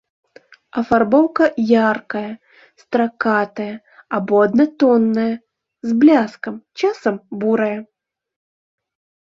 Афарбоўка яркая, стракатая або аднатонная, з бляскам, часам бурая.